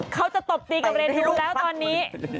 เขาจะตบตีกับเวทีนู้นแล้วตอนนี้